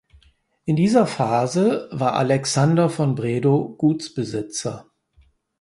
In dieser Phase war Alexander von Bredow Gutsbesitzer.